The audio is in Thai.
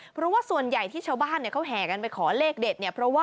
เพราะว่าส่วนใหญ่ที่ชาวบ้านเขาแห่กันไปขอเลขเด็ดเนี่ย